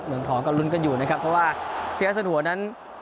เมืองทองก็ลุ้นกันอยู่นะครับเพราะว่าเซียสนัวนั้น